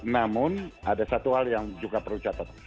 namun ada satu hal yang juga perlu dicatat